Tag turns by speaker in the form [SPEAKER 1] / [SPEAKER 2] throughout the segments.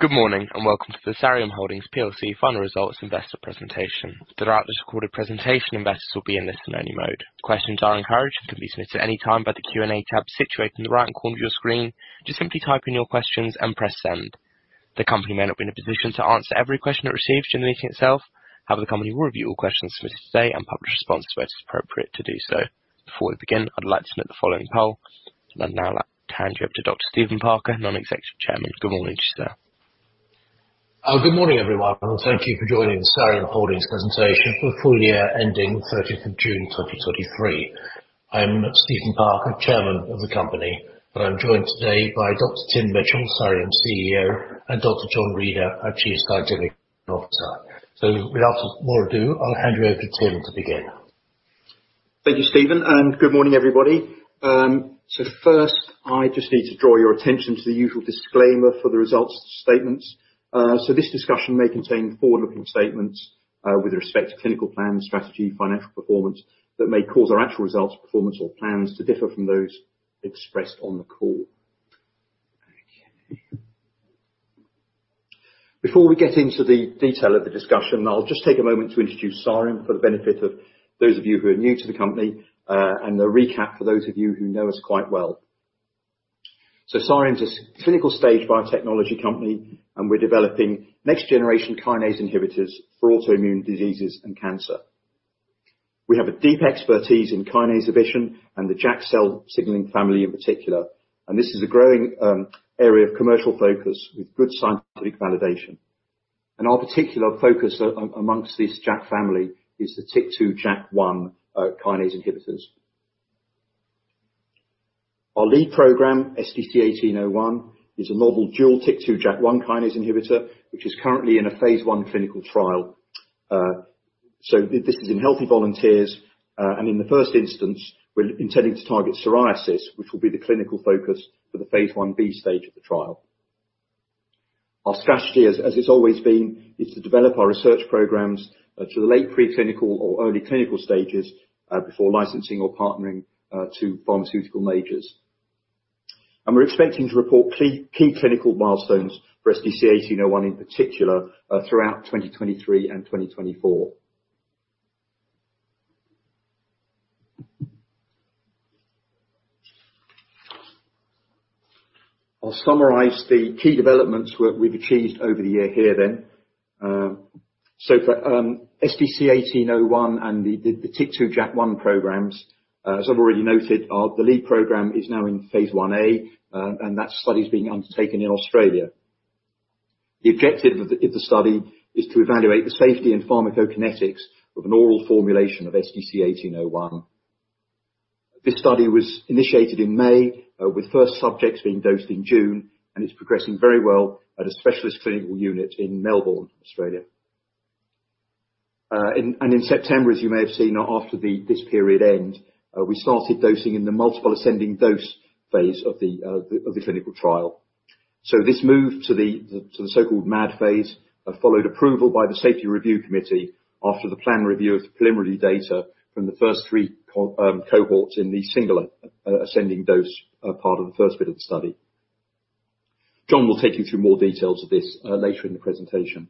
[SPEAKER 1] Good morning, and welcome to the Sareum Holdings Final Results Investor Presentation. Throughout this recorded presentation, investors will be in listen-only mode. Questions are encouraged and can be submitted at any time by the Q&A tab situated in the right-hand corner of your screen. Just simply type in your questions and press send. The company may not be in a position to answer every question it receives during the meeting itself. However, the company will review all questions submitted today and publish responses where it is appropriate to do so. Before we begin, I'd like to note the following poll, and I'd now like to hand you over to Dr. Stephen Parker, Non-Executive Chairman. Good morning, sir.
[SPEAKER 2] Good morning, everyone, and thank you for joining the Sareum Holdings presentation for the full year ending 30th of June, 2023. I'm Stephen Parker, Chairman of the company, but I'm joined today by Dr. Tim Mitchell, Sareum CEO, and Dr. John Reader, our Chief Scientific Officer. Without more ado, I'll hand you over to Tim to begin.
[SPEAKER 3] Thank you, Stephen, and good morning, everybody. First, I just need to draw your attention to the usual disclaimer for the results statements. This discussion may contain forward-looking statements, with respect to clinical plans, strategy, financial performance, that may cause our actual results, performance, or plans to differ from those expressed on the call. Before we get into the detail of the discussion, I'll just take a moment to introduce Sareum for the benefit of those of you who are new to the company, and a recap for those of you who know us quite well. Sareum is a clinical-stage biotechnology company, and we're developing next-generation kinase inhibitors for autoimmune diseases and cancer. We have a deep expertise in kinase inhibition and the JAK cell signaling family in particular, and this is a growing area of commercial focus with good scientific validation. Our particular focus amongst this JAK family is the TYK2/JAK1 kinase inhibitors. Our lead program, SDC-1801, is a novel dual TYK2/JAK1 kinase inhibitor, which is currently in a phase I clinical trial. This is in healthy volunteers, and in the first instance, we're intending to target psoriasis, which will be the clinical focus for the phase I-B stage of the trial. Our strategy, as it's always been, is to develop our research programs to the late preclinical or early clinical stages before licensing or partnering to pharmaceutical majors. We're expecting to report key clinical milestones for SDC-1801 in particular throughout 2023 and 2024. I'll summarize the key developments we've achieved over the year here then. So for SDC-1801 and the TYK2/JAK1 programs, as I've already noted, the lead program is now in phase I-A, and that study is being undertaken in Australia. The objective of the study is to evaluate the safety and pharmacokinetics of an oral formulation of SDC-1801. This study was initiated in May, with first subjects being dosed in June, and it's progressing very well at a specialist clinical unit in Melbourne, Australia. And in September, as you may have seen, after this period end, we started dosing in the multiple ascending dose phase of the clinical trial. So this moved to the so-called MAD phase, followed approval by the Safety Review Committee after the planned review of the preliminary data from the first three cohorts in the single ascending dose part of the first bit of the study. John will take you through more details of this later in the presentation.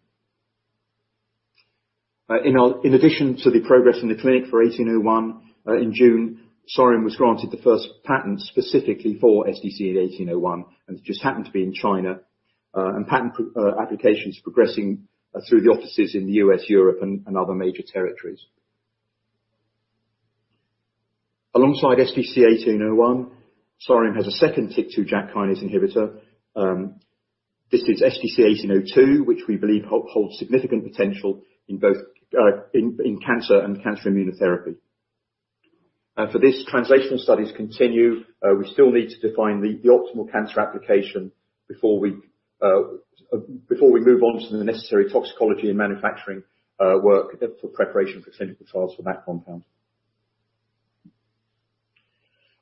[SPEAKER 3] In addition to the progress in the clinic for 1801, in June, Sareum was granted the first patent specifically for SDC-1801, and it just happened to be in China. And patent applications progressing through the offices in the US, Europe, and other major territories. Alongside SDC-1801, Sareum has a second TYK2 JAK kinase inhibitor. This is SDC-1802, which we believe holds significant potential in both, in, in cancer and cancer immunotherapy. For this, translational studies continue, we still need to define the, the optimal cancer application before we, before we move on to the necessary toxicology and manufacturing, work for preparation for clinical trials for that compound.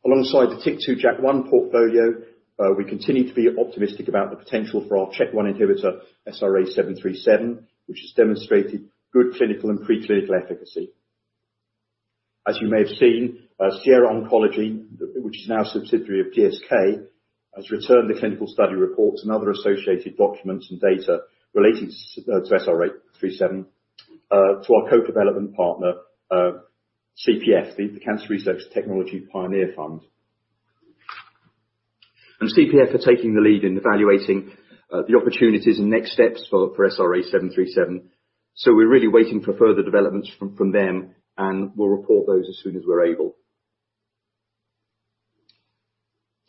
[SPEAKER 3] Alongside the TYK2/JAK1 portfolio, we continue to be optimistic about the potential for our Chk1 inhibitor, SRA737, which has demonstrated good clinical and preclinical efficacy. As you may have seen, Sierra Oncology, which is now a subsidiary of GSK, has returned the clinical study reports and other associated documents and data related to SRA737, to our co-development partner, CPF, the Cancer Research Technology Pioneer Fund. CPF are taking the lead in evaluating, the opportunities and next steps for SRA737. We're really waiting for further developments from them, and we'll report those as soon as we're able.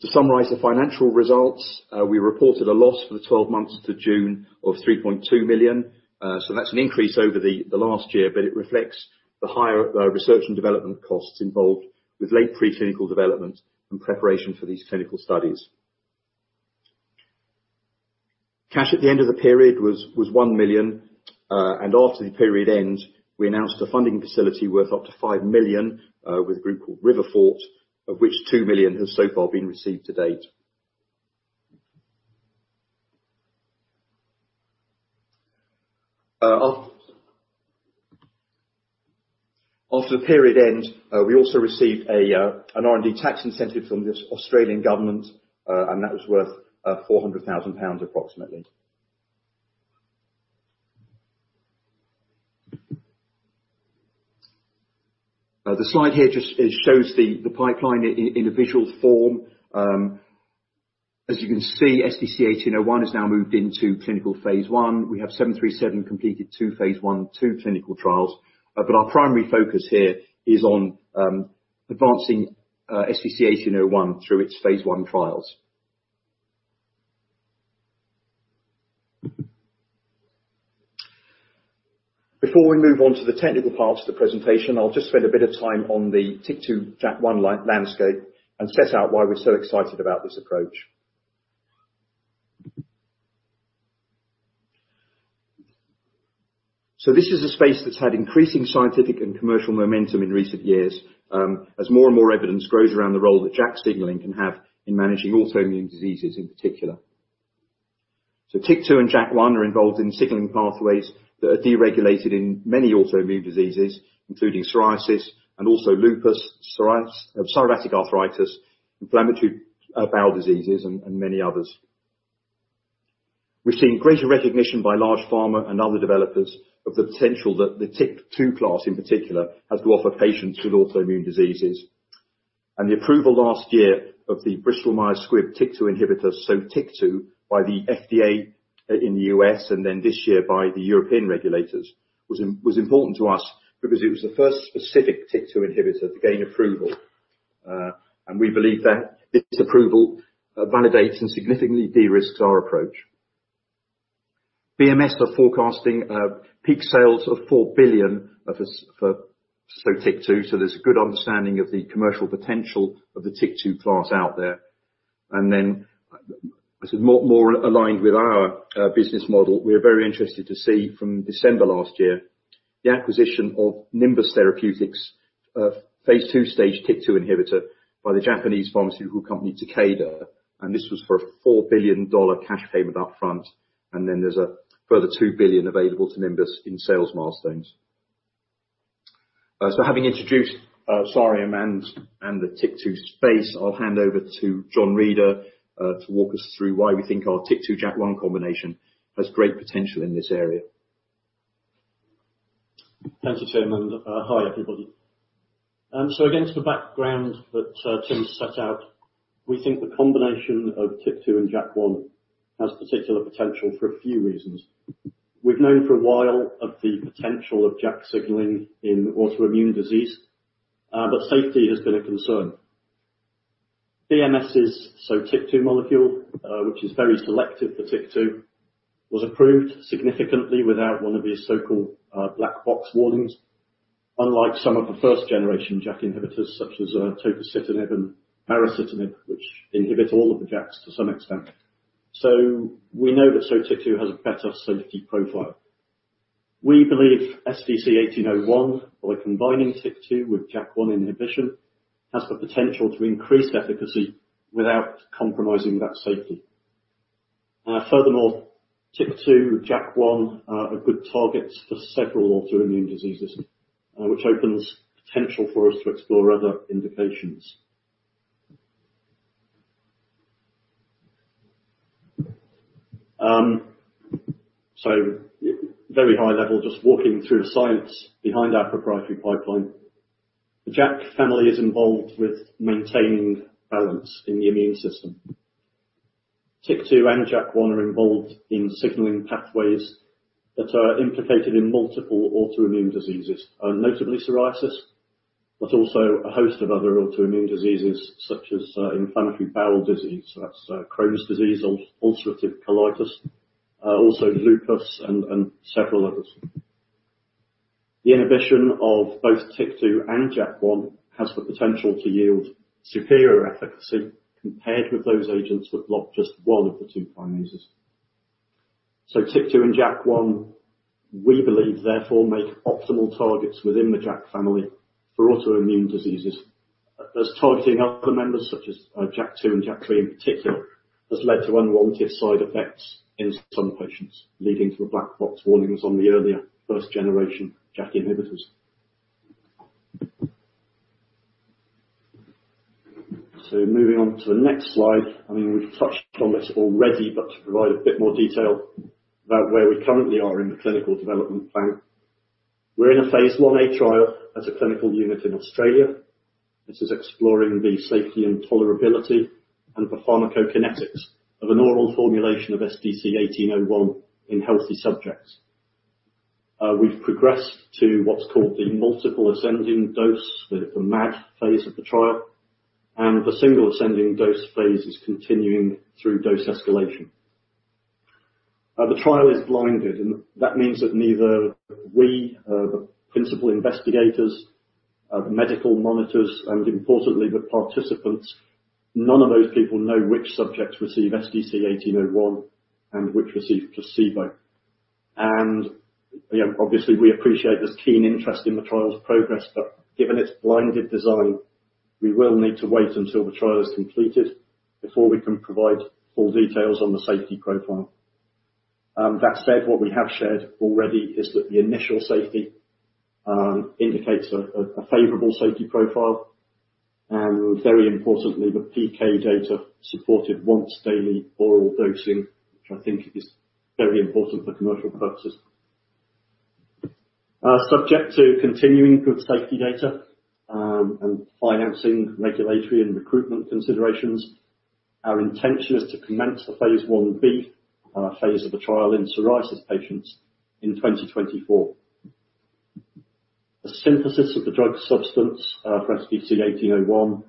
[SPEAKER 3] To summarize the financial results, we reported a loss for the 12 months to June of 3.2 million. That's an increase over the last year, but it reflects the higher research and development costs involved with late preclinical development and preparation for these clinical studies. Cash at the end of the period was 1 million, and after the period end, we announced a funding facility worth up to 5 million with a group called RiverFort, of which 2 million has so far been received to date. After the period end, we also received an R&D tax incentive from the Australian government, and that was worth 400,000 pounds, approximately. The slide here just shows the pipeline in a visual form. As you can see, SDC-1801 has now moved into clinical phase I. We have SRA737 completed two phase I/II clinical trials. But our primary focus here is on advancing SDC-1801 through its phase I trials. Before we move on to the technical part of the presentation, I'll just spend a bit of time on the TYK2/JAK1 landscape and set out why we're so excited about this approach. So this is a space that's had increasing scientific and commercial momentum in recent years, as more and more evidence grows around the role that JAK signaling can have in managing autoimmune diseases, in particular. So TYK2 and JAK1 are involved in signaling pathways that are deregulated in many autoimmune diseases, including psoriasis and also lupus, psoriatic arthritis, inflammatory bowel diseases, and many others. We've seen greater recognition by large pharma and other developers of the potential that the TYK2 class, in particular, has to offer patients with autoimmune diseases. And the approval last year of the Bristol Myers Squibb TYK2 inhibitor, Sotyktu, by the FDA, in the U.S., and then this year by the European regulators, was important to us because it was the first specific TYK2 inhibitor to gain approval. And we believe that this approval validates and significantly de-risks our approach. BMS are forecasting peak sales of $4 billion of this for Sotyktu, so there's a good understanding of the commercial potential of the TYK2 class out there. More aligned with our business model, we're very interested to see, from December last year, the acquisition of Nimbus Therapeutics' phase II stage TYK2 inhibitor by the Japanese pharmaceutical company Takeda, and this was for a $4 billion cash payment up front, and then there's a further $2 billion available to Nimbus in sales milestones. Having introduced Sareum and the TYK2 space, I'll hand over to John Reader to walk us through why we think our TYK2/JAK1 combination has great potential in this area.
[SPEAKER 4] Thanks, Tim, and hi, everybody. So against the background that Tim set out, we think the combination of TYK2 and JAK1 has particular potential for a few reasons. We've known for a while of the potential of JAK signaling in autoimmune disease, but safety has been a concern. BMS's Sotyktu molecule, which is very selective for TYK2, was approved significantly without one of these so-called black box warnings, unlike some of the first generation JAK inhibitors, such as tofacitinib and baricitinib, which inhibit all of the JAKs to some extent. So we know that Sotyktu has a better safety profile. We believe SDC-1801, by combining TYK2 with JAK1 inhibition, has the potential to increase efficacy without compromising that safety. Furthermore, TYK2 with JAK1 are, are good targets for several autoimmune diseases, which opens potential for us to explore other indications. Very high level, just walking through the science behind our proprietary pipeline. The JAK family is involved with maintaining balance in the immune system. TYK2 and JAK1 are involved in signaling pathways that are implicated in multiple autoimmune diseases, notably psoriasis, but also a host of other autoimmune diseases, such as inflammatory bowel disease, so that's Crohn's disease or ulcerative colitis, also lupus and, and several others. The inhibition of both TYK2 and JAK1 has the potential to yield superior efficacy compared with those agents that block just one of the two kinases. TYK2 and JAK1, we believe, therefore, make optimal targets within the JAK family for autoimmune diseases, as targeting other members, such as JAK2 and JAK3 in particular, has led to unwanted side effects in some patients, leading to the black box warnings on the earlier first-generation JAK inhibitors. Moving on to the next slide. I mean, we've touched on this already, but to provide a bit more detail about where we currently are in the clinical development plan. We're in a phase I-A trial as a clinical unit in Australia. This is exploring the safety and tolerability, and the pharmacokinetics of an oral formulation of SDC-1801 in healthy subjects. We've progressed to what's called the multiple ascending dose, the MAD phase of the trial, and the single ascending dose phase is continuing through dose escalation. The trial is blinded, and that means that neither we, the principal investigators, the medical monitors, and importantly, the participants, none of those people know which subjects receive SDC-1801 and which receive placebo. And, you know, obviously, we appreciate there's keen interest in the trial's progress, but given its blinded design, we will need to wait until the trial is completed before we can provide full details on the safety profile. That said, what we have shared already is that the initial safety indicates a favorable safety profile, and very importantly, the PK data supported once-daily oral dosing, which I think is very important for commercial purposes. Subject to continuing good safety data, and financing, regulatory, and recruitment considerations, our intention is to commence the phase I-B phase of the trial in psoriasis patients in 2024. The synthesis of the drug substance for SDC-1801,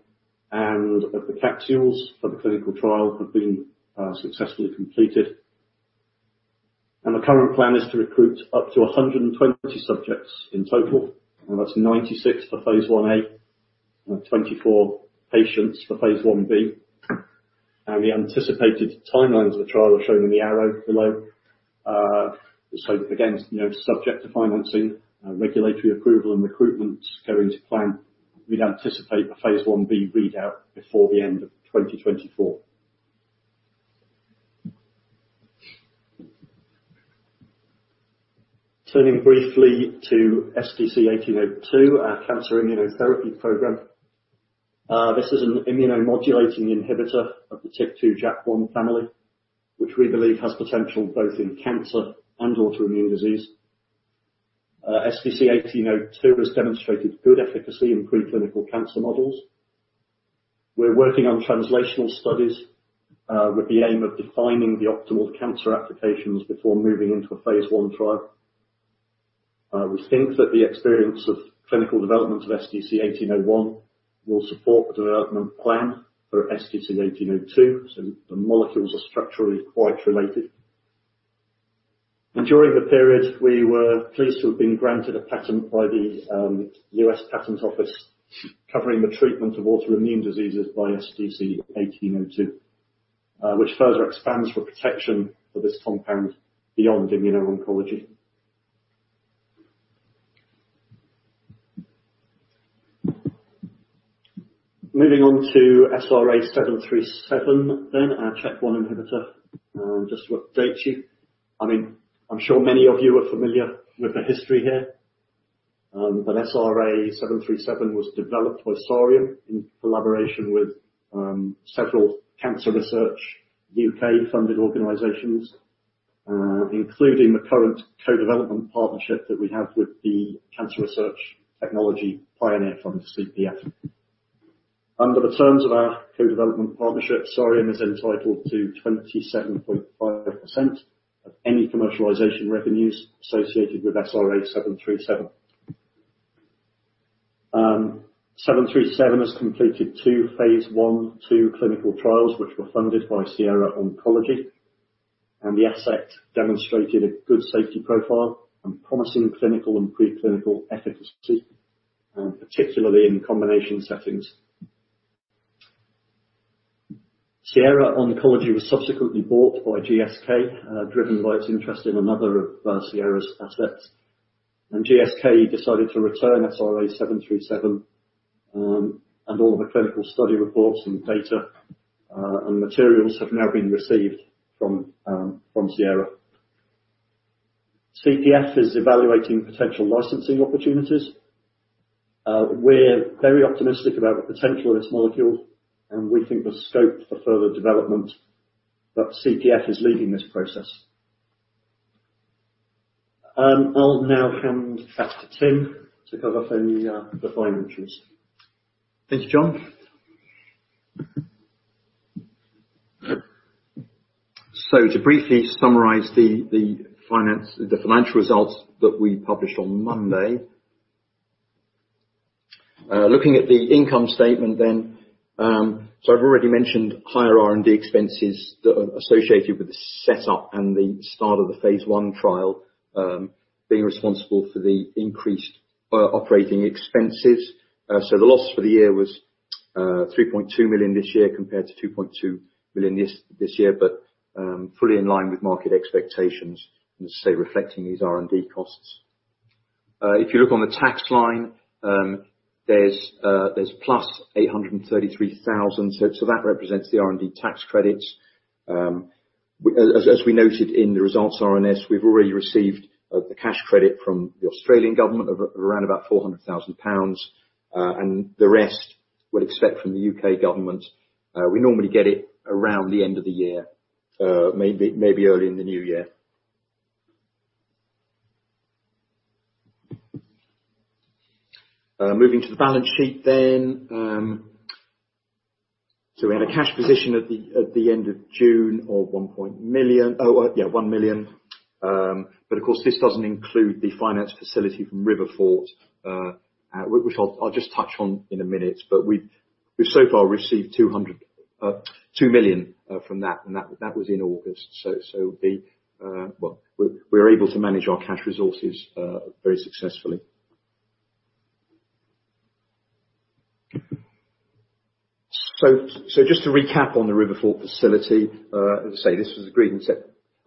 [SPEAKER 4] and of the capsules for the clinical trial, have been successfully completed. The current plan is to recruit up to 120 subjects in total, and that's 96 for phase I-A, and 24 patients for phase I-B. The anticipated timelines of the trial are shown in the arrow below. So again, you know, subject to financing, regulatory approval, and recruitment going to plan, we'd anticipate a phase I-B readout before the end of 2024. Turning briefly to SDC-1802, our cancer immunotherapy program. This is an immunomodulating inhibitor of the TYK2/JAK1 family, which we believe has potential both in cancer and autoimmune disease. SDC-1802 has demonstrated good efficacy in preclinical cancer models. We're working on translational studies, with the aim of defining the optimal cancer applications before moving into a phase I trial. We think that the experience of clinical development of SDC-1801 will support the development plan for SDC-1802, so the molecules are structurally quite related. During the period, we were pleased to have been granted a patent by the US Patents Office, covering the treatment of autoimmune diseases by SDC-1802, which further expands the protection of this compound beyond immuno-oncology. Moving on to SRA737, our CHEK1 inhibitor, and just to update you. I mean, I'm sure many of you are familiar with the history here. SRA737 was developed by Sareum in collaboration with several Cancer Research UK-funded organizations, including the current co-development partnership that we have with the Cancer Research Technology Pioneer Fund, CPF. Under the terms of our co-development partnership, Sareum is entitled to 27.5% of any commercialization revenues associated with SRA737. SRA737 has completed two phase I/II clinical trials, which were funded by Sierra Oncology, and the asset demonstrated a good safety profile and promising clinical and preclinical efficacy, particularly in combination settings. Sierra Oncology was subsequently bought by GSK, driven by its interest in another of Sierra's assets. GSK decided to return SRA737, and all the clinical study reports and data and materials have now been received from Sierra. CPF is evaluating potential licensing opportunities. We're very optimistic about the potential of this molecule, and we think there's scope for further development, but CPF is leading this process. I'll now hand back to Tim to cover any, the financials.
[SPEAKER 3] Thanks, John. So to briefly summarize the financial results that we published on Monday. Looking at the income statement then, so I've already mentioned higher R&D expenses that are associated with the setup and the start of the phase I trial, being responsible for the increased operating expenses. So the loss for the year was 3.2 million this year, compared to 2.2 million this year, but fully in line with market expectations, and as I say, reflecting these R&D costs. If you look on the tax line, there's plus 833,000, so that represents the R&D tax credits. As we noted in the results, RNS, we've already received the cash credit from the Australian government of around about 400,000 pounds, and the rest we'll expect from the UK government. We normally get it around the end of the year, maybe early in the new year. Moving to the balance sheet then. So we had a cash position at the end of June of 1 million. But of course, this doesn't include the finance facility from RiverFort, which I'll just touch on in a minute. But we've so far received 2 million from that, and that was in August. So -- well, we are able to manage our cash resources very successfully. Just to recap on the RiverFort facility, as I say, this was agreed and set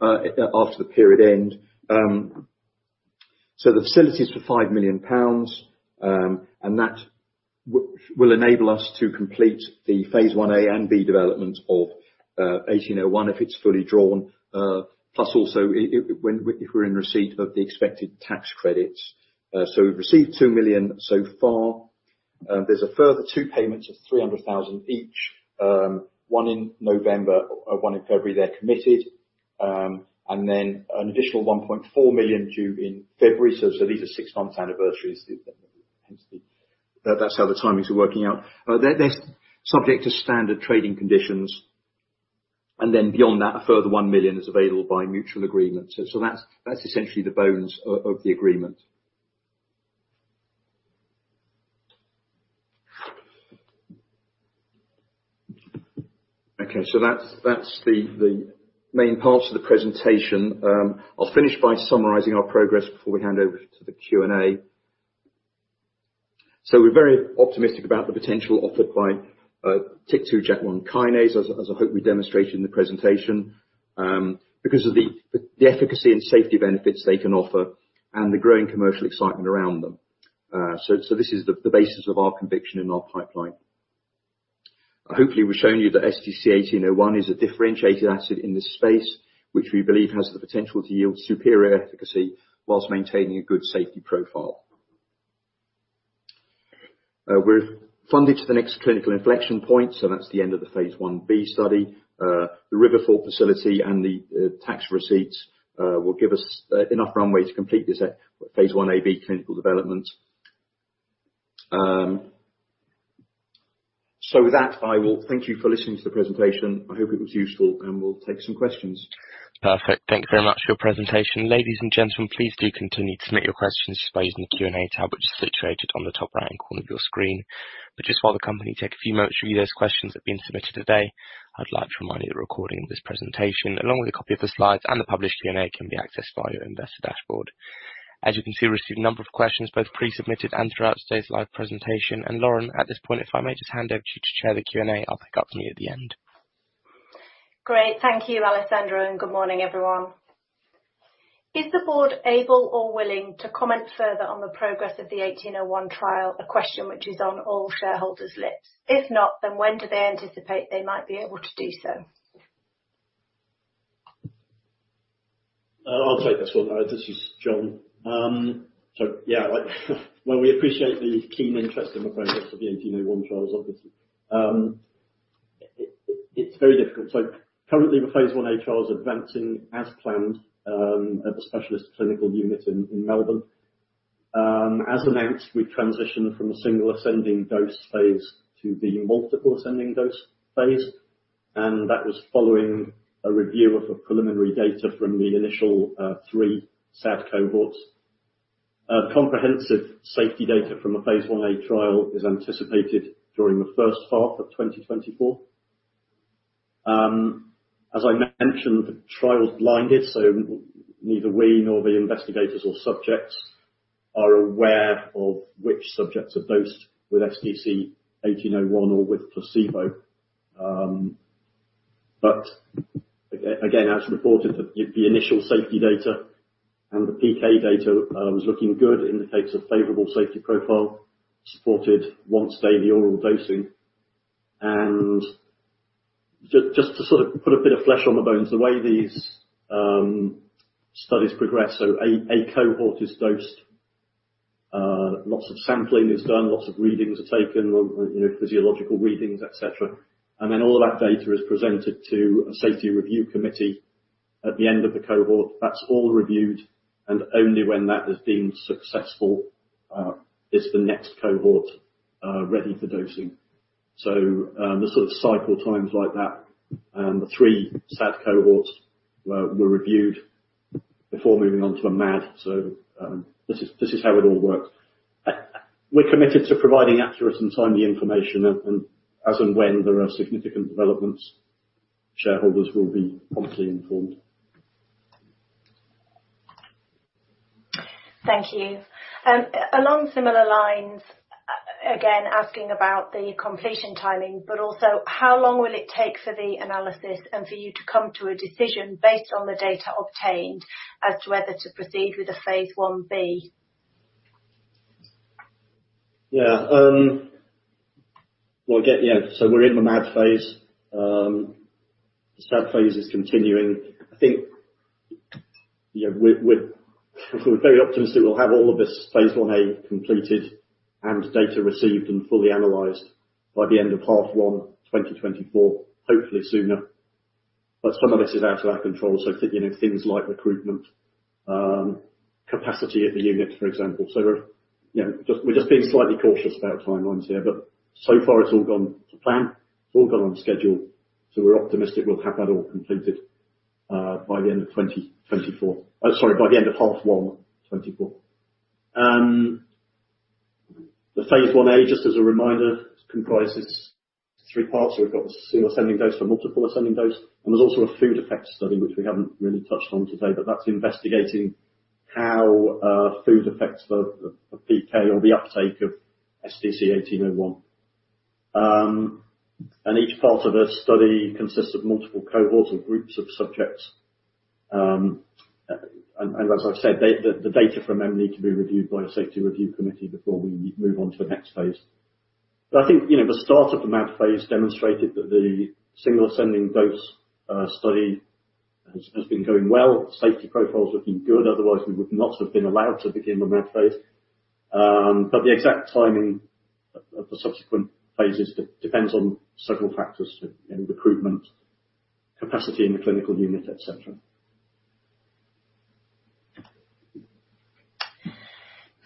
[SPEAKER 3] after the period end. The facility is for 5 million pounds, and that will enable us to complete the phase I-A and B development of 1801 if it's fully drawn, plus also, when-- if we're in receipt of the expected tax credits. We've received 2 million so far. There's a further two payments of 300,000 each, one in November, one in February. They're committed, and then an additional 1.4 million due in February. These are six-month anniversaries, hence the-- that's how the timings are working out. They're subject to standard trading conditions, and then beyond that, a further 1 million is available by mutual agreement. That's essentially the bones of the agreement. Okay. That's the main parts of the presentation. I'll finish by summarizing our progress before we hand over to the Q&A. We're very optimistic about the potential offered by TYK2/JAK1 kinase, as I hope we demonstrated in the presentation, because of the efficacy and safety benefits they can offer and the growing commercial excitement around them. So this is the basis of our conviction in our pipeline. Hopefully, we've shown you that SDC-1801 is a differentiated asset in this space, which we believe has the potential to yield superior efficacy while maintaining a good safety profile. We're funded to the next clinical inflection point, so that's the end of the phase I-B study. The RiverFort facility and the tax receipts will give us enough runway to complete this phase I-A/B clinical development. So with that, I will thank you for listening to the presentation. I hope it was useful, and we'll take some questions.
[SPEAKER 1] Perfect. Thank you very much for your presentation. Ladies and gentlemen, please do continue to submit your questions by using the Q&A tab, which is situated on the top right-hand corner of your screen. But just while the company take a few moments to review those questions that have been submitted today, I'd like to remind you that a recording of this presentation, along with a copy of the slides and the published Q&A, can be accessed via your investor dashboard. As you can see, we've received a number of questions, both pre-submitted and throughout today's live presentation. Lauren, at this point, if I may just hand over to you to chair the Q&A, I'll pick up from you at the end.
[SPEAKER 5] Great. Thank you, Alessandro, and good morning, everyone. Is the board able or willing to comment further on the progress of the 1801 trial? A question which is on all shareholders' lips. If not, then when do they anticipate they might be able to do so?
[SPEAKER 4] I'll take this one. This is John. Yeah, well, we appreciate the keen interest in the progress of the 1801 trials, obviously. It's very difficult. Currently, the phase I-A trial is advancing as planned at the specialist clinical unit in Melbourne. As announced, we've transitioned from a single ascending dose phase to the multiple ascending dose phase, and that was following a review of the preliminary data from the initial three SAD cohorts. Comprehensive safety data from the phase I-A trial is anticipated during the first half of 2024. As I mentioned, the trial is blinded, so neither we nor the investigators or subjects are aware of which subjects are dosed with SDC-1801 or with placebo. But again, as reported, the initial safety data and the PK data was looking good, indicates a favorable safety profile, supported once-daily oral dosing. And just to sort of put a bit of flesh on the bones, the way these studies progress, so a cohort is dosed, lots of sampling is done, lots of readings are taken, you know, physiological readings, et cetera. And then all of that data is presented to a safety review committee at the end of the cohort. That's all reviewed, and only when that is deemed successful, is the next cohort ready for dosing. So, the sort of cycle time's like that, and the three SAD cohorts were reviewed before moving on to a MAD. So, this is how it all works. We're committed to providing accurate and timely information, and as and when there are significant developments, shareholders will be promptly informed.
[SPEAKER 5] Thank you. Along similar lines, again, asking about the completion timing, but also, how long will it take for the analysis and for you to come to a decision based on the data obtained as to whether to proceed with the phase I-B?
[SPEAKER 4] Yeah. Yeah, so we're in the MAD phase. SAD phase is continuing. I think, yeah, we're very optimistic we'll have all of this phase I-A completed and data received and fully analyzed by the end of H1 2024, hopefully sooner. But some of this is out of our control, so you know, things like recruitment, capacity at the unit, for example. So, you know, we're just being slightly cautious about timelines here, but so far it's all gone to plan. It's all gone on schedule, so we're optimistic we'll have that all completed by the end of 2024. Sorry, by the end of H1 2024. The phase I-A, just as a reminder, comprises three parts. We've got the single ascending dose, the multiple ascending dose, and there's also a food effect study, which we haven't really touched on today, but that's investigating how, you know, food affects the PK or the uptake of SDC-1801. Each part of the study consists of multiple cohorts or groups of subjects. As I've said, the data from them need to be reviewed by a safety review committee before we move on to the next phase. I think, you know, the start of the MAD phase demonstrated that the single ascending dose study has been going well. Safety profile's looking good, otherwise we would not have been allowed to begin the MAD phase. The exact timing of the subsequent phases depends on several factors, you know, recruitment, capacity in the clinical unit, et cetera.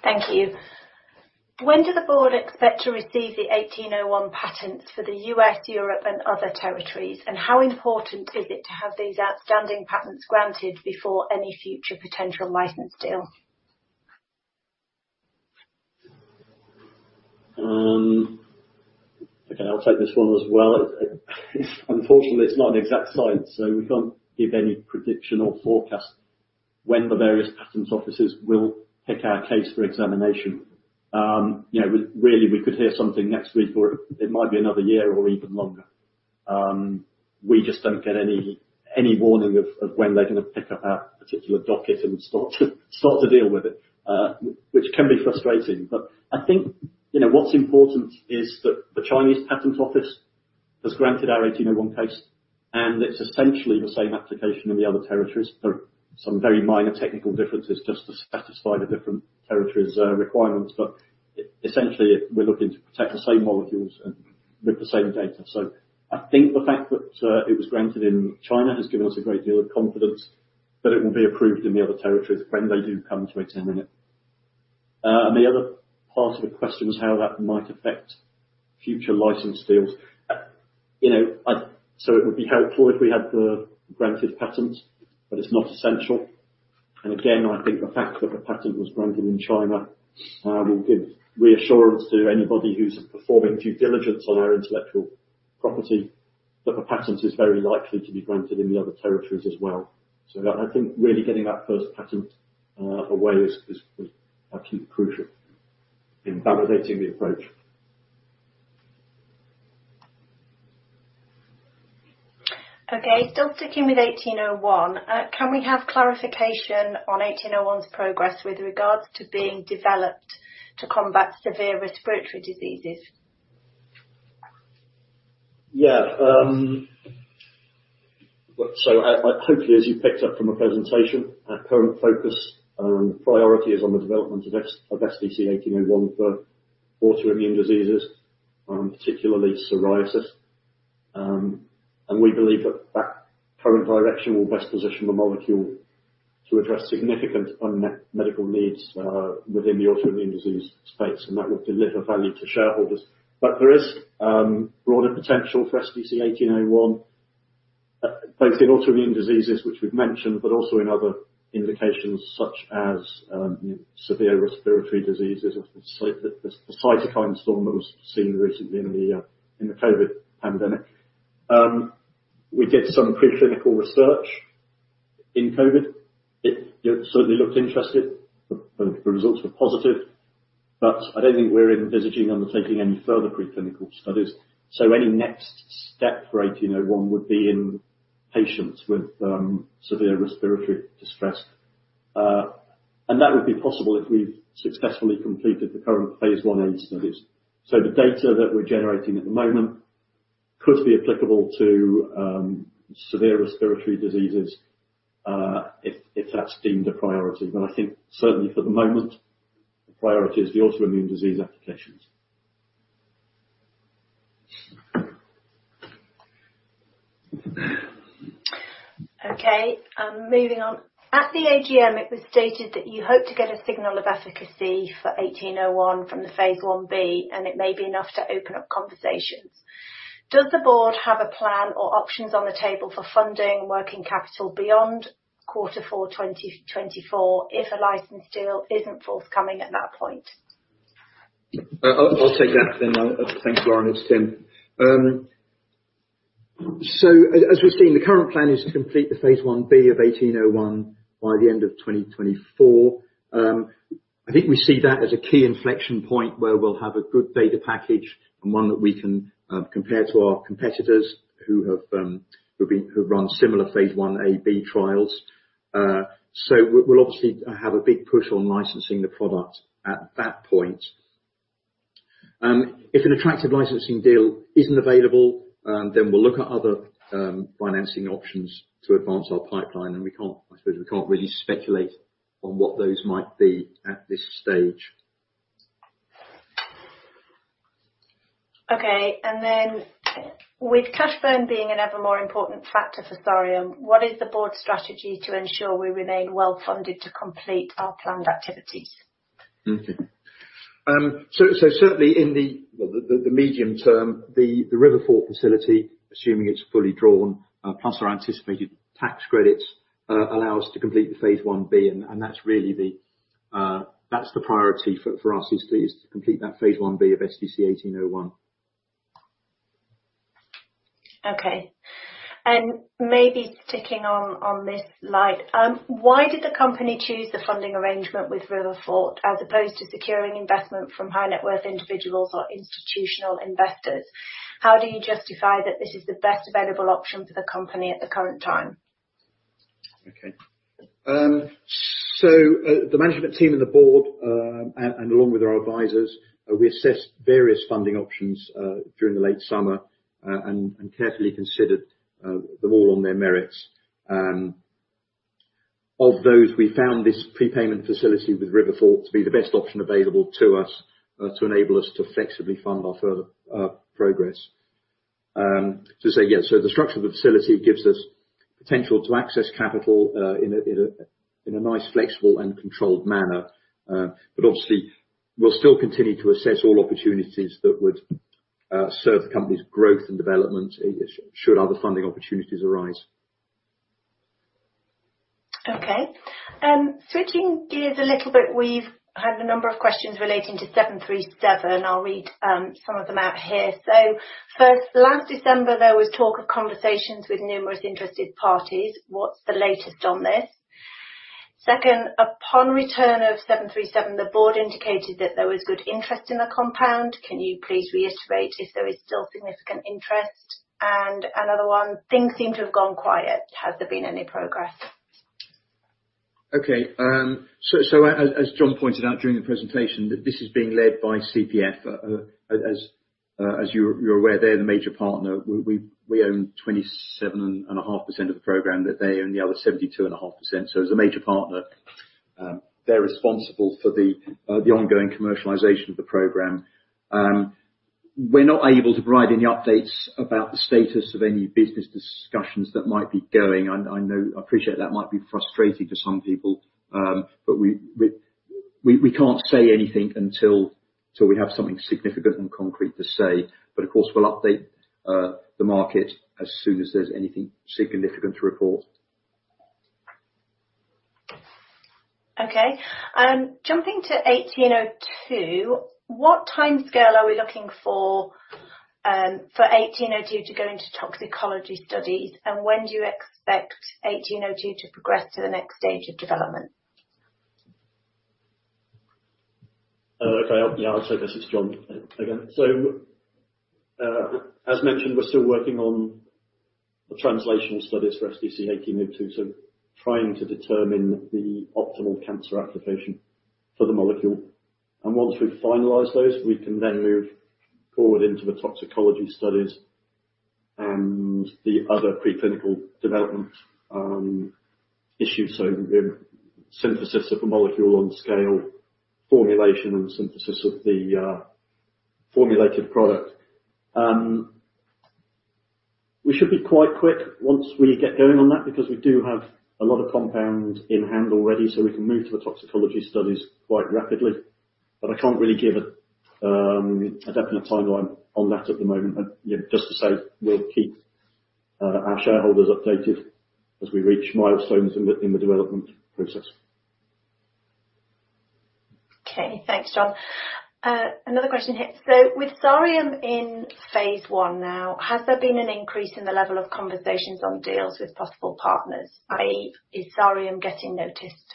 [SPEAKER 5] Thank you. When do the board expect to receive the 1801 patents for the US, Europe, and other territories? And how important is it to have these outstanding patents granted before any future potential license deal?
[SPEAKER 4] Okay, I'll take this one as well. Unfortunately, it's not an exact science, so we can't give any prediction or forecast when the various patent offices will pick our case for examination. You know, really, we could hear something next week, or it might be another year or even longer. We just don't get any warning of when they're gonna pick up our particular docket and start to deal with it, which can be frustrating. But I think, you know, what's important is that the Chinese Patent Office has granted our 1801 case, and it's essentially the same application in the other territories. There are some very minor technical differences just to satisfy the different territories' requirements, but essentially, we're looking to protect the same molecules and with the same data. So I think the fact that it was granted in China has given us a great deal of confidence that it will be approved in the other territories when they do come to examine it. And the other part of the question is how that might affect future license deals. You know, so it would be helpful if we had the granted patent, but it's not essential. And again, I think the fact that the patent was granted in China will give reassurance to anybody who's performing due diligence on our intellectual property, that the patent is very likely to be granted in the other territories as well. So I think really getting that first patent away was actually crucial in validating the approach.
[SPEAKER 5] Okay, still sticking with 1801. Can we have clarification on 1801's progress with regards to being developed to combat severe respiratory diseases?
[SPEAKER 4] Yeah. So as hopefully, as you picked up from the presentation, our current focus and priority is on the development of SDC-1801 for autoimmune diseases, particularly psoriasis. And we believe that that current direction will best position the molecule to address significant unmet medical needs, within the autoimmune disease space, and that will deliver value to shareholders. But there is, broader potential for SDC-1801, both in autoimmune diseases, which we've mentioned, but also in other indications such as, severe respiratory diseases or the cytokine storm that was seen recently in the, in the COVID pandemic. We did some preclinical research in COVID. It, you know, certainly looked interesting. The results were positive, but I don't think we're envisaging undertaking any further preclinical studies. So any next step for 1801 would be in patients with severe respiratory distress. And that would be possible if we've successfully completed the current phase I-A studies. So the data that we're generating at the moment could be applicable to severe respiratory diseases, if that's deemed a priority. But I think certainly for the moment, the priority is the autoimmune disease applications.
[SPEAKER 5] Okay, moving on. At the AGM, it was stated that you hope to get a signal of efficacy for 1801 from the phase I-B, and it may be enough to open up conversations. Does the board have a plan or options on the table for funding working capital beyond quarter four 2024, if a license deal isn't forthcoming at that point?
[SPEAKER 3] I'll take that then. Thanks Lauren, it's Tim. As we've seen, the current plan is to complete the phase I-B of 1801 by the end of 2024. I think we see that as a key inflection point where we'll have a good data package and one that we can compare to our competitors who have, who've run similar phase I-A/B trials. We will obviously have a big push on licensing the product at that point. If an attractive licensing deal isn't available, then we'll look at other financing options to advance our pipeline, and we can't... I suppose we can't really speculate on what those might be at this stage.
[SPEAKER 5] Okay, and then with cash burn being an ever more important factor for Sareum, what is the board's strategy to ensure we remain well-funded to complete our planned activities?
[SPEAKER 3] Mm-hmm. So, certainly in the medium term, the RiverFort facility, assuming it's fully drawn, plus our anticipated tax credits, allow us to complete the phase I-B, and that's really the... That's the priority for us, is to complete that phase I-B of SDC-1801.
[SPEAKER 5] Okay. Maybe sticking on this slide. Why did the company choose the funding arrangement with RiverFort, as opposed to securing investment from high net worth individuals or institutional investors? How do you justify that this is the best available option for the company at the current time?
[SPEAKER 3] Okay. The management team and the board, and along with our advisors, we assessed various funding options during the late summer, and carefully considered them all on their merits. Of those, we found this prepayment facility with RiverFort to be the best option available to us, to enable us to flexibly fund our further progress. To say yeah, the structure of the facility gives us potential to access capital in a nice, flexible and controlled manner. Obviously, we'll still continue to assess all opportunities that would serve the company's growth and development, should other funding opportunities arise.
[SPEAKER 5] Okay. Switching gears a little bit, we've had a number of questions relating to SRA737. I'll read some of them out here. So first, last December, there was talk of conversations with numerous interested parties. What's the latest on this? Second, upon return of SRA737, the board indicated that there was good interest in the compound. Can you please reiterate if there is still significant interest? And another one, things seem to have gone quiet. Has there been any progress?
[SPEAKER 3] Okay. So as John pointed out during the presentation, that this is being led by CPF. As you're aware, they're the major partner. We own 27.5% of the program, that they own the other 72.5%. So as a major partner, they're responsible for the ongoing commercialization of the program. We're not able to provide any updates about the status of any business discussions that might be going. I know-- I appreciate that might be frustrating to some people. But we can't say anything until, till we have something significant and concrete to say, but of course, we'll update the market as soon as there's anything significant to report.
[SPEAKER 5] Okay. Jumping to 1802, what timescale are we looking for, for 1802 to go into toxicology studies? And when do you expect 1802 to progress to the next stage of development?
[SPEAKER 4] Okay. Yeah, I'll take this. It's John again. So, as mentioned, we're still working on the translational studies for SDC-1802, so trying to determine the optimal cancer application for the molecule. And once we finalize those, we can then move forward into the toxicology studies and the other preclinical development, issues. So the synthesis of a molecule on scale, formulation and synthesis of the, formulated product. We should be quite quick once we get going on that, because we do have a lot of compound in hand already, so we can move to the toxicology studies quite rapidly, but I can't really give a, a definite timeline on that at the moment. But, yeah, just to say, we'll keep, our shareholders updated as we reach milestones in the, in the development process.
[SPEAKER 5] Okay. Thanks, John. Another question here. So with Sareum in phase I now, has there been an increase in the level of conversations on deals with possible partners? i.e., is Sareum getting noticed?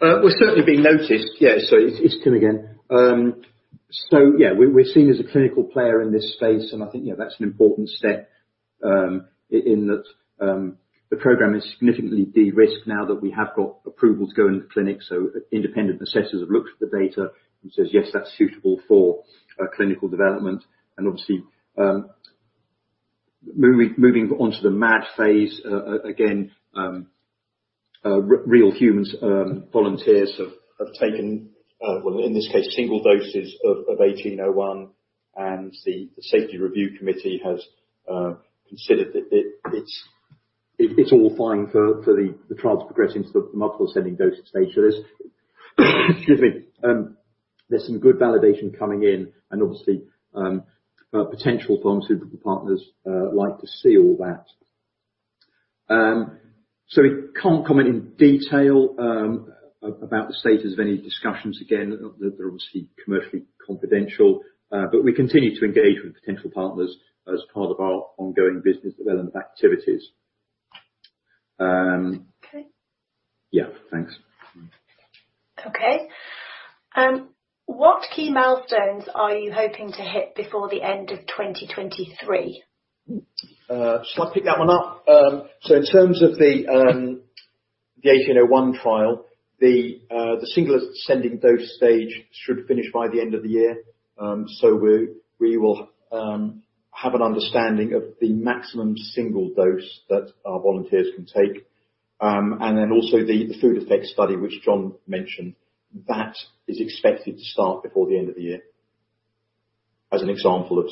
[SPEAKER 3] We're certainly being noticed. Yeah. So it's Tim again. So yeah, we're seen as a clinical player in this space, and I think, yeah, that's an important step, in that, the program is significantly de-risked now that we have got approval to go into the clinic. So independent assessors have looked at the data and says, "Yes, that's suitable for clinical development." And obviously, moving onto the MAD phase, again, real humans, volunteers have taken, well, in this case, single doses of 1801, and the Safety Review Committee has considered that it's all fine for the trials to progress into the multiple ascending dose stage. So there's, excuse me. There's some good validation coming in, and obviously, potential pharmaceutical partners like to see all that. So we can't comment in detail about the status of any discussions again, they're obviously commercially confidential, but we continue to engage with potential partners as part of our ongoing business development activities.
[SPEAKER 5] Okay.
[SPEAKER 3] Yeah, thanks.
[SPEAKER 5] Okay. What key milestones are you hoping to hit before the end of 2023?
[SPEAKER 3] Shall I pick that one up? So in terms of the 1801 trial, the single ascending dose stage should finish by the end of the year. So we will have an understanding of the maximum single dose that our volunteers can take. And then also the food effect study, which John mentioned, that is expected to start before the end of the year, as an example of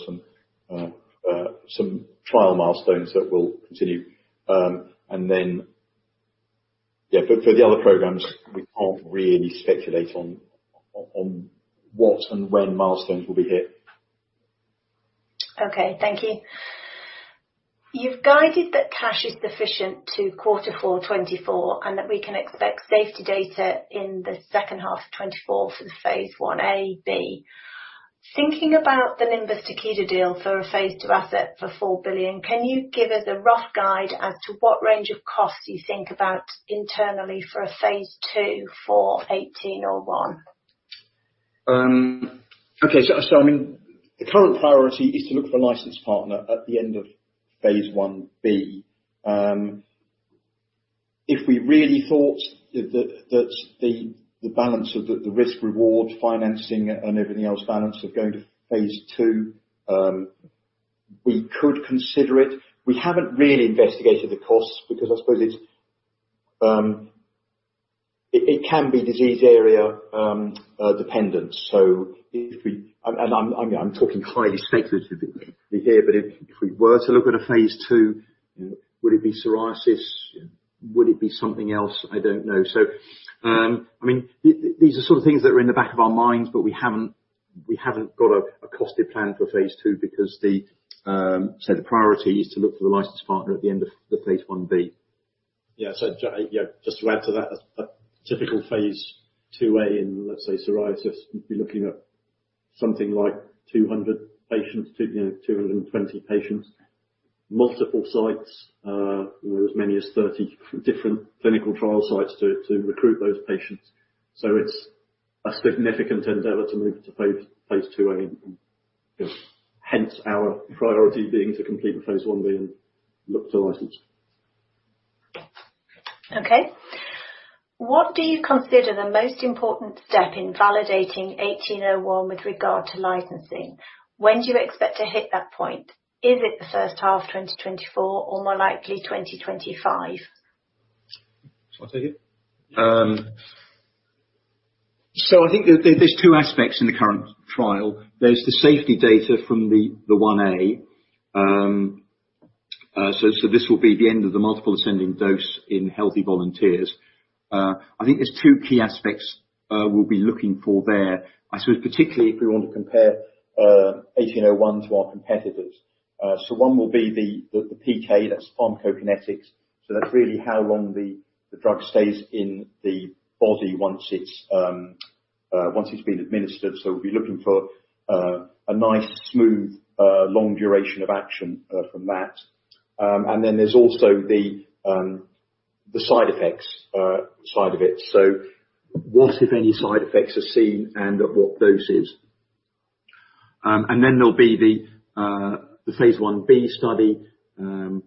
[SPEAKER 3] some trial milestones that will continue. And then... Yeah, for the other programs, we can't really speculate on what and when milestones will be hit.
[SPEAKER 5] Okay. Thank you. You've guided that cash is sufficient to Q4 2024, and that we can expect safety data in the second half of 2024 for the phase I-A/B. Thinking about the Nimbus Takeda deal for a phase II asset for $4 billion, can you give us a rough guide as to what range of costs you think about internally for a phase II for 1801?
[SPEAKER 3] Okay, so I mean, the current priority is to look for a license partner at the end of phase I-B. If we really thought that the balance of the risk reward, financing, and everything else balance of going to phase II, we could consider it. We haven't really investigated the costs because I suppose it's, it can be disease area dependent. If we-- And I'm talking highly speculatively here, but if we were to look at a phase II, you know, would it be psoriasis? Would it be something else? I don't know. I mean, these are sort of things that are in the back of our minds, but we haven't got a costed plan for phase II, because so the priority is to look for a license partner at the end of the phase I-B.
[SPEAKER 4] Yeah. So, yeah, just to add to that, a typical phase II-A in, let's say, psoriasis, you'd be looking at something like 200 patients, two, you know, 220 patients, multiple sites, as many as 30 different clinical trial sites to recruit those patients. So it's a significant endeavor to move to phase II-A. Hence, our priority being to complete the phase I-B and look to license.
[SPEAKER 5] Okay. What do you consider the most important step in validating 1801 with regard to licensing? When do you expect to hit that point? Is it the first half of 2024 or more likely 2025?
[SPEAKER 4] Do you want to take it?
[SPEAKER 3] I think there, there's two aspects in the current trial. There's the safety data from the, the phase I-A. This will be the end of the multiple ascending dose in healthy volunteers. I think there's two key aspects, we'll be looking for there. I suppose, particularly if we want to compare, 1801 to our competitors. One will be the, the PK, that's pharmacokinetics. That's really how long the, the drug stays in the body once it's, once it's been administered. We'll be looking for, a nice, smooth, long duration of action, from that. Then there's also the, the side effects, side of it. What, if any, side effects are seen and at what doses? And then there'll be the phase I-B study. As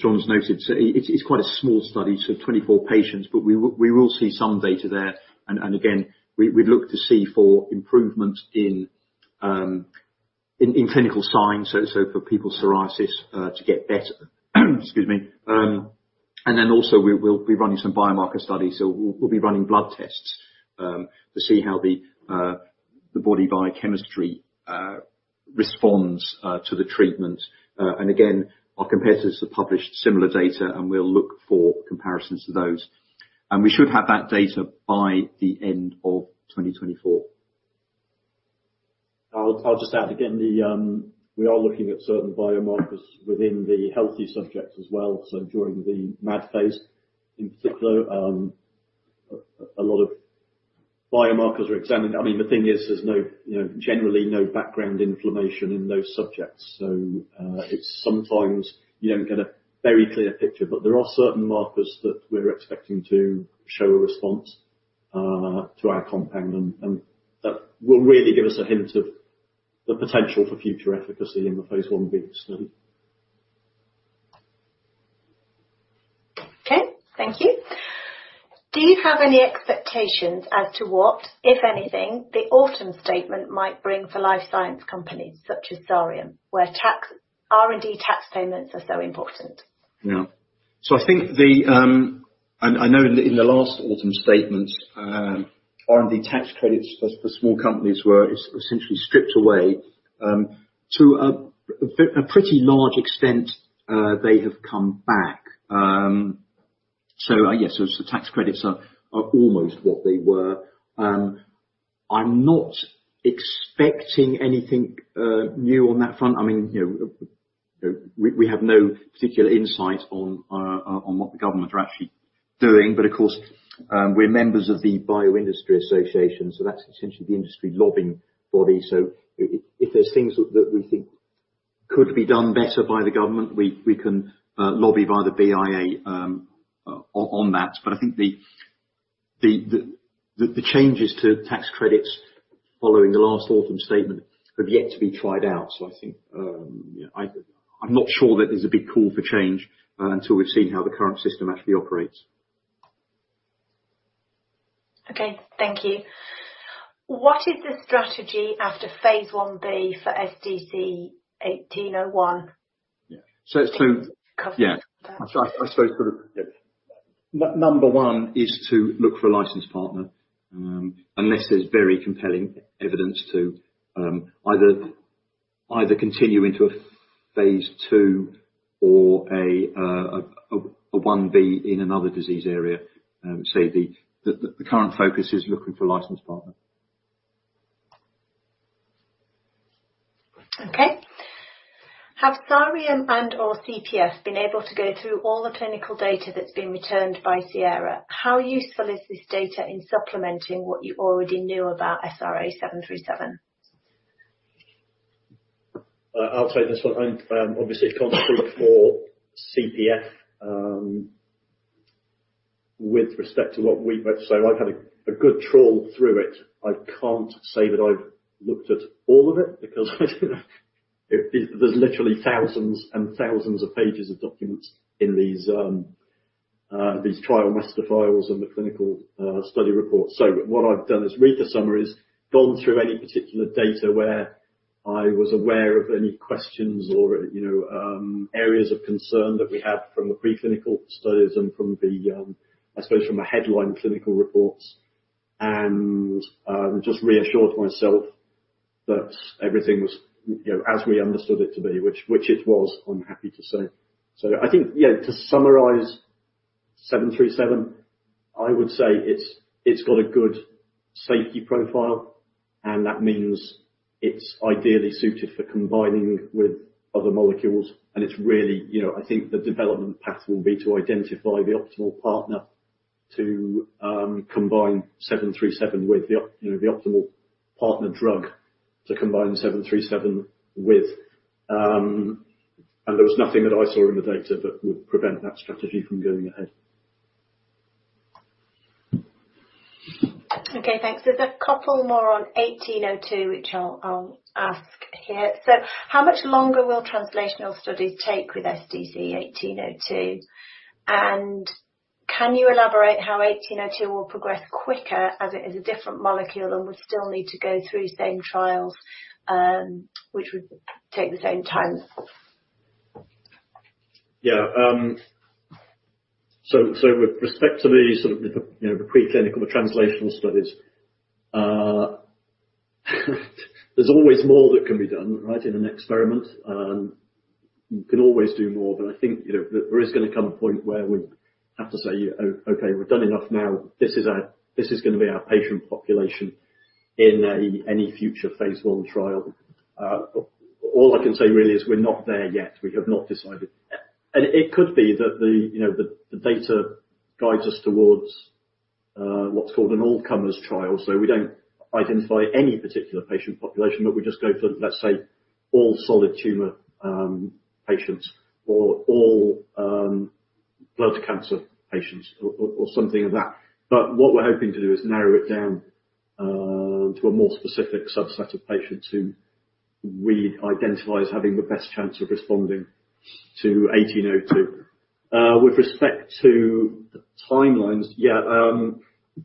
[SPEAKER 3] John's noted, it's quite a small study, so 24 patients, but we will see some data there. And again, we'd look to see for improvements in clinical signs, so for people's psoriasis to get better. Excuse me. And then also, we'll be running some biomarker studies, so we'll be running blood tests to see how the body biochemistry responds to the treatment. And again, our competitors have published similar data, and we'll look for comparisons to those. And we should have that data by the end of 2024.
[SPEAKER 4] I'll just add again, we are looking at certain biomarkers within the healthy subjects as well, so during the MAD phase. In particular, a lot of biomarkers are examined. I mean, the thing is, there's no, you know, generally no background inflammation in those subjects, so it's sometimes you don't get a very clear picture, but there are certain markers that we're expecting to show a response to our compound, and that will really give us a hint of the potential for future efficacy in the phase I-B study.
[SPEAKER 5] Okay, thank you. Do you have any expectations as to what, if anything, the Autumn Statement might bring for life science companies such as Sareum, where tax R&D tax payments are so important?
[SPEAKER 3] Yeah. So I think the-- I know in the last Autumn Statement, R&D tax credits for small companies were essentially stripped away to a pretty large extent, they have come back. So yes, the tax credits are almost what they were. I'm not expecting anything new on that front. I mean, you know, we have no particular insight on what the government are actually doing, but of course, we're members of the BioIndustry Association, so that's essentially the industry lobbying body. So if there's things that we think could be done better by the government, we can lobby via the BIA, on that. But I think the changes to tax credits following the last Autumn Statement have yet to be tried out. I think, yeah, I'm not sure that there's a big call for change until we've seen how the current system actually operates.
[SPEAKER 5] Okay, thank you. What is the strategy after phase I-B for SDC-1801?
[SPEAKER 3] Yeah. So it's
[SPEAKER 5] Cover.
[SPEAKER 3] Yeah, I suppose for the-
[SPEAKER 4] Yeah.
[SPEAKER 3] Number one is to look for a license partner, unless there's very compelling evidence to either continue into a phase II or a I-B in another disease area. Say, the current focus is looking for a license partner.
[SPEAKER 5] Okay. Have Sareum and/or CPF been able to go through all the clinical data that's been returned by Sierra? How useful is this data in supplementing what you already knew about SRA737?
[SPEAKER 4] I'll take this one. Obviously, I can't speak for CPF, with respect to what we— So I've had a good trawl through it. I can't say that I've looked at all of it, because I don't know. It— there's literally thousands and thousands of pages of documents in these trial master files and the clinical study reports. So what I've done is read the summaries, gone through any particular data where I was aware of any questions or, you know, areas of concern that we had from the preclinical studies and from the, I suppose from the headline clinical reports. And just reassured myself that everything was, you know, as we understood it to be, which it was, I'm happy to say. So I think, yeah, to summarize SRA737, I would say it's, it's got a good safety profile, and that means it's ideally suited for combining with other molecules. And it's really, you know, I think the development path will be to identify the optimal partner to combine SRA737 with. You know, the optimal partner drug to combine SRA737 with. And there was nothing that I saw in the data that would prevent that strategy from going ahead.
[SPEAKER 5] Okay, thanks. There's a couple more on 1802, which I'll, I'll ask here. So how much longer will translational studies take with SDC-1802? And can you elaborate how 1802 will progress quicker, as it is a different molecule and would still need to go through the same trials, which would take the same time?
[SPEAKER 4] Yeah. So with respect to the sort of, you know, the preclinical translational studies, there's always more that can be done, right, in an experiment. You can always do more, but I think, you know, there is gonna come a point where we have to say, "Oh, okay, we've done enough now. This is our, this is gonna be our patient population in any future phase I trial." All I can say really is we're not there yet. We have not decided. And it could be that the, you know, the data guides us towards what's called an all-comers trial. So we don't identify any particular patient population, but we just go for, let's say, all solid tumor patients, or all blood cancer patients or something of that. What we're hoping to do is narrow it down to a more specific subset of patients who we identify as having the best chance of responding to 1802. With respect to the timelines, yeah,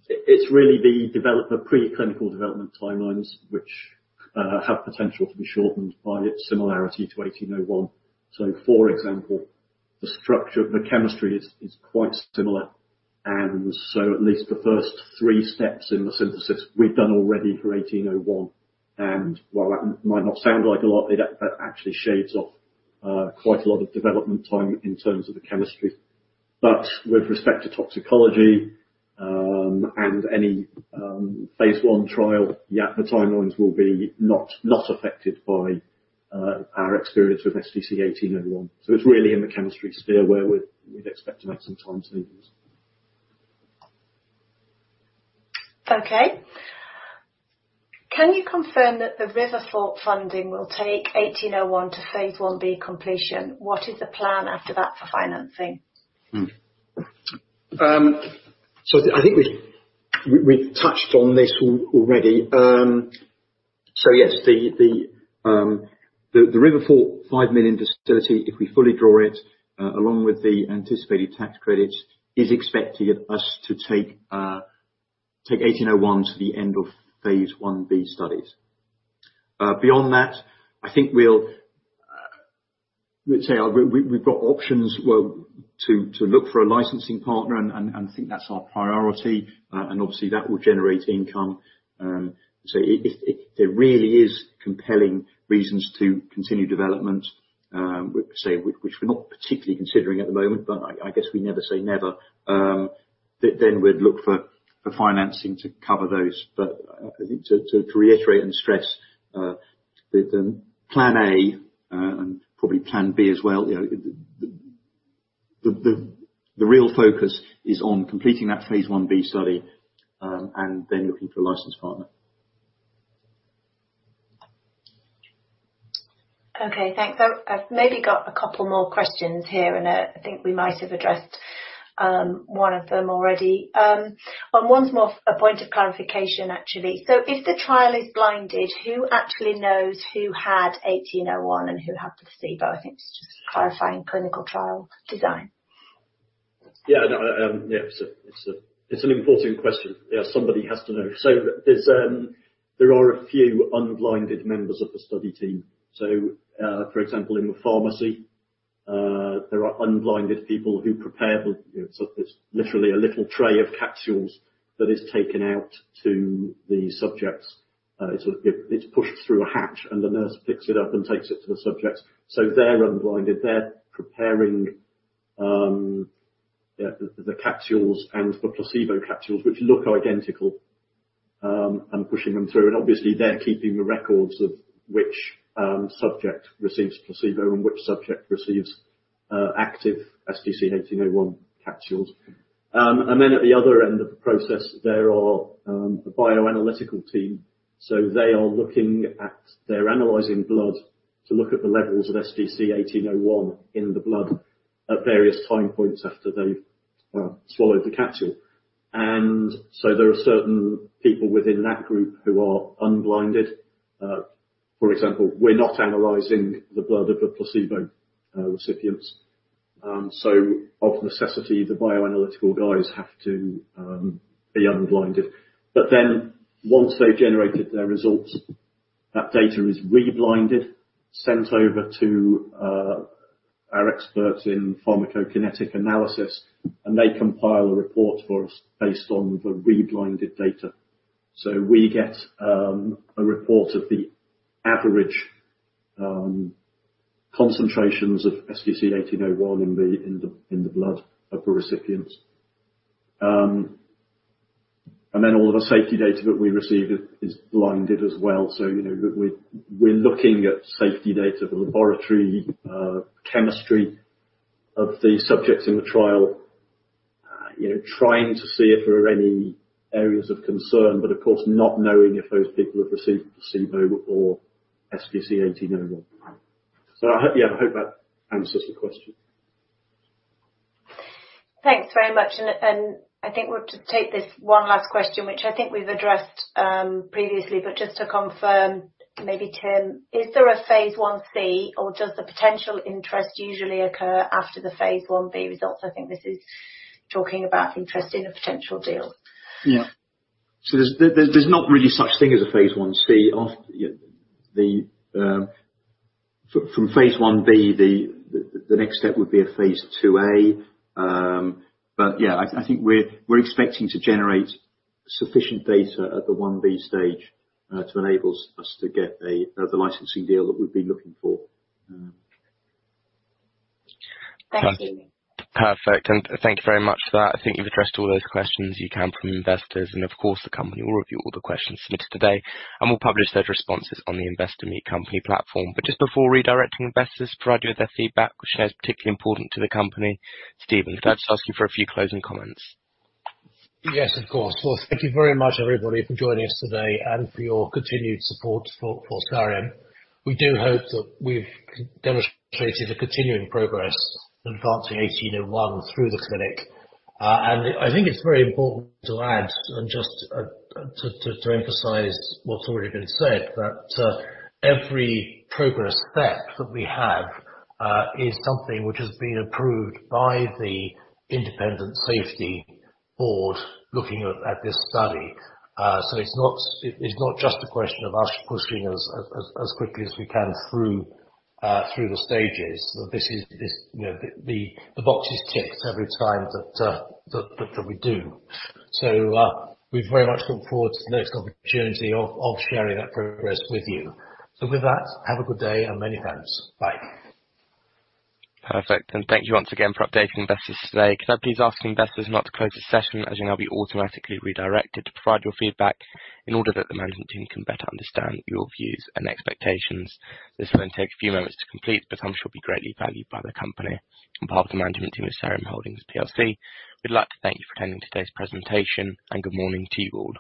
[SPEAKER 4] it's really the preclinical development timelines, which have potential to be shortened by its similarity to 1801. For example, the structure, the chemistry is quite similar, and at least the first three steps in the synthesis, we've done already for 1801. While that might not sound like a lot, it actually shaves off quite a lot of development time in terms of the chemistry. With respect to toxicology and any phase I trial, yeah, the timelines will not be affected by our experience with SDC-1801. It's really in the chemistry sphere where we'd expect to make some time savings.
[SPEAKER 5] Okay. Can you confirm that the RiverFort funding will take 1801 to phase I-B completion? What is the plan after that for financing?
[SPEAKER 3] So I think we've touched on this already. So yes, the RiverFort 5 million facility, if we fully draw it, along with the anticipated tax credits, is expected us to take SDC-1801 to the end of phase I-B studies. Beyond that, I think we'll. Let's say, we've got options, well, to look for a licensing partner and think that's our priority. And obviously, that will generate income. So if there really is compelling reasons to continue development, we could say, which we're not particularly considering at the moment, but I guess we never say never, then we'd look for financing to cover those. But I think to reiterate and stress that plan A and probably plan B as well, you know, the real focus is on completing that phase I-B study and then looking for a license partner.
[SPEAKER 5] Okay, thanks. So I've maybe got a couple more questions here, and I think we might have addressed one of them already. One's more a point of clarification, actually. So if the trial is blinded, who actually knows who had 1801 and who had the placebo? I think it's just clarifying clinical trial design.
[SPEAKER 4] Yeah. No, yeah, it's an important question. Yeah, somebody has to know. So there are a few unblinded members of the study team. So, for example, in the pharmacy, there are unblinded people who prepare the, you know, so it's literally a little tray of capsules that is taken out to the subjects. It's sort of, it's pushed through a hatch, and the nurse picks it up and takes it to the subjects. So they're unblinded. They're preparing the capsules and the placebo capsules, which look identical, and pushing them through. And obviously they're keeping the records of which subject receives placebo and which subject receives active SDC-1801 capsules. And then at the other end of the process, there are a bioanalytical team. So they are looking at. They're analyzing blood to look at the levels of SDC-1801 in the blood at various time points after they've swallowed the capsule. And so there are certain people within that group who are unblinded. For example, we're not analyzing the blood of the placebo recipients. So of necessity, the bioanalytical guys have to be unblinded. But then, once they've generated their results, that data is reblinded, sent over to our experts in pharmacokinetic analysis, and they compile a report for us based on the reblinded data. So we get a report of the average concentrations of SDC-1801 in the blood of the recipients. And then all of the safety data that we receive is blinded as well. So, you know, we're looking at safety data, the laboratory chemistry of the subjects in the trial, you know, trying to see if there are any areas of concern, but of course, not knowing if those people have received placebo or SDC-1801. So I hope, yeah, I hope that answers the question.
[SPEAKER 5] Thanks very much. I think we'll just take this one last question, which I think we've addressed previously, but just to confirm, maybe, Tim, is there a phase I-C, or does the potential interest usually occur after the phase I-B results? I think this is talking about interest in a potential deal.
[SPEAKER 3] Yeah. So there's not really such thing as a phase I-C. From phase I-B, the next step would be a phase II-A. But yeah, I think we're expecting to generate sufficient data at the I-B stage to enables us to get the licensing deal that we've been looking for.
[SPEAKER 5] Thank you.
[SPEAKER 1] Perfect, and thank you very much for that. I think you've addressed all those questions you can from investors, and of course, the company will review all the questions submitted today, and we'll publish those responses on the Investor Meet Company platform. But just before redirecting investors to provide you with their feedback, which is particularly important to the company, Stephen, can I just ask you for a few closing comments?
[SPEAKER 2] Yes, of course. Well, thank you very much, everybody, for joining us today and for your continued support for Sareum. We do hope that we've demonstrated a continuing progress in advancing 1801 through the clinic. And I think it's very important to add, and just to emphasize what's already been said, that every progress step that we have is something which has been approved by the independent safety board looking at this study. So it's not just a question of us pushing as quickly as we can through the stages. This is, you know, the box is ticked every time that we do. So we very much look forward to the next opportunity of sharing that progress with you. So with that, have a good day and many thanks. Bye.
[SPEAKER 1] Perfect. Thank you once again for updating investors today. Can I please ask investors not to close this session, as you'll now be automatically redirected to provide your feedback in order that the management team can better understand your views and expectations. This will then take a few moments to complete, but I'm sure be greatly valued by the company. On behalf of the management team of Sareum Holdings PLC, we'd like to thank you for attending today's presentation, and good morning to you all.